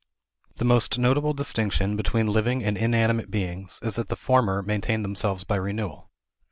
The most notable distinction between living and inanimate things is that the former maintain themselves by renewal.